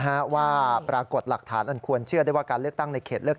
ว่าปรากฏหลักฐานอันควรเชื่อได้ว่าการเลือกตั้งในเขตเลือก